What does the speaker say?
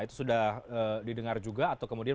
itu sudah didengar juga atau kemudian